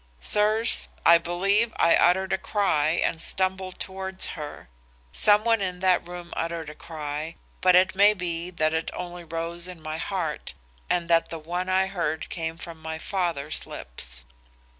"Sirs, I believe I uttered a cry and stumbled towards her. Some one in that room uttered a cry, but it may be that it only rose in my heart and that the one I heard came from my father's lips.